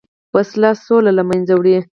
وسله سوله له منځه وړي